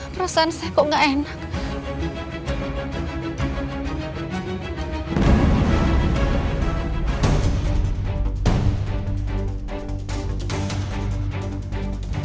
perasaan saya kok gak enak